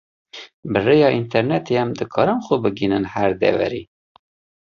Bi rêya internêtê em dikarin xwe bigihînin her deverê.